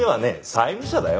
債務者だよ？